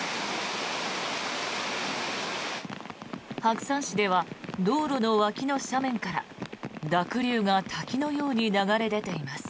白山市では道路の脇の斜面から濁流が滝のように流れ出ています。